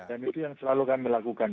dan itu yang selalu kami lakukan